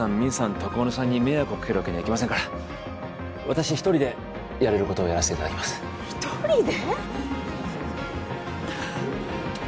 徳丸さんに迷惑をかけるわけにはいきませんから私一人でやれることをやらせていただきます一人で！？